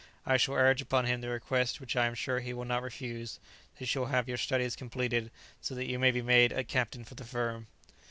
I shall urge upon him the request which I am sure he will not refuse, that you shall have your studies completed, so that you may be made a captain for the firm."